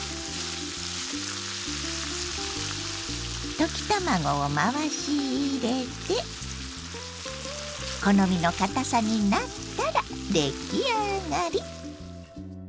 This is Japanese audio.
溶き卵を回し入れて好みのかたさになったら出来上がり！